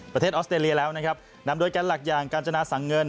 ออสเตรเลียแล้วนะครับนำโดยแกนหลักอย่างกาญจนาสังเงิน